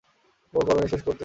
কেবল কর্মে বিশ্বাস করতেন তিনি।